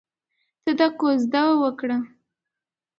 ته دا کوژده وکړه.